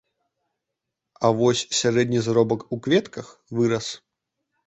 А вось сярэдні заробак у кветках вырас.